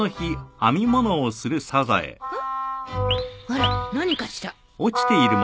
あら何かしら？